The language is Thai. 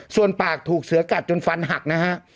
ส่วนปากถูกเสือกัดจนฟันหักนะฮะ